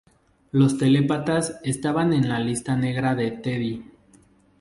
los telépatas estaban en la lista negra de Teddy